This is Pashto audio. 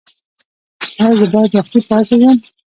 ایا زه باید وختي پاڅیږم؟